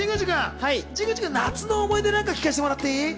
神宮寺君、夏の思い出なんか聞かせてもらっていい？